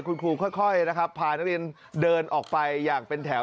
คุณครูค่อยนะครับพานักเรียนเดินออกไปอย่างเป็นแถว